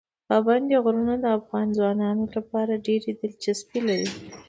پابندي غرونه د افغان ځوانانو لپاره ډېره دلچسپي لري.